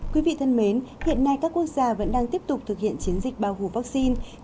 quý vị thân mến hiện nay các quốc gia vẫn đang tiếp tục thực hiện chiến dịch bao gồm vaccine